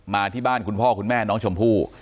ที่บ้านคุณพ่อคุณแม่น้องชมพู่